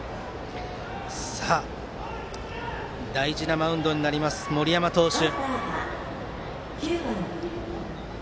大事なマウンドになります森山投手。